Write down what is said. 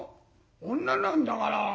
女なんだから。